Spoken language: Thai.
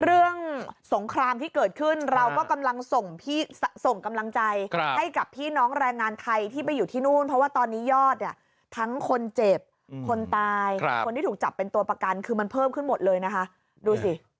เรื่องสงครามที่เกิดขึ้นเราก็กำลังส่งกำลังใจให้กับพี่น้องแรงงานไทยที่ไปอยู่ที่นู่นเพราะว่าตอนนี้ยอดเนี่ยทั้งคนเจ็บคนตายคนที่ถูกจับเป็นตัวประกันคือมันเพิ่มขึ้นหมดเลยนะคะดูสิ